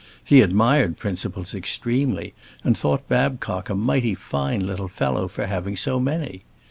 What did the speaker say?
He admired principles extremely, and thought Babcock a mighty fine little fellow for having so many.